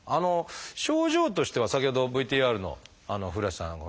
症状としては先ほどＶＴＲの古橋さん